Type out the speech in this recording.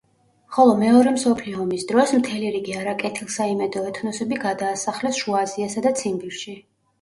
ხოლო მეორე მსოფლიო ომის დროს მთელი რიგი არაკეთილსაიმედო ეთნოსები გადაასახლეს შუა აზიასა და ციმბირში.